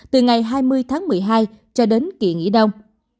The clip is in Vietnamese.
từ ngày hai mươi tháng một mươi hai cho đến kỳ nghỉ đông